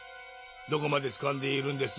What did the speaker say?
どこまでつかんでいるんです？